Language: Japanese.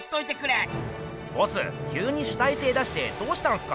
ボスきゅうに主体性出してどうしたんすか？